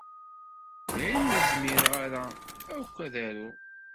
Dayen ur zmireƔ ara ukk ad aruƔ.